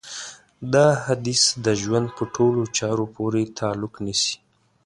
دا حديث د ژوند په ټولو چارو پورې تعلق نيسي.